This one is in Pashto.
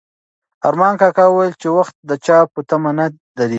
ارمان کاکا وویل چې وخت د چا په تمه نه درېږي.